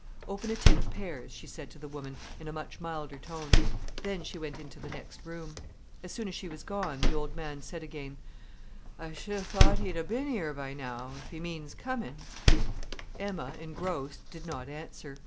"Open a tin of pears," she said to the woman, in a much milder tone. Then she went into the next room. As soon as she was gone, the old man said again: "I should ha'e thought he'd 'a' been 'ere by now, if he means comin'." Emma, engrossed, did not answer.